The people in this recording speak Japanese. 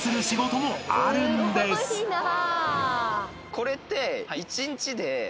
これって。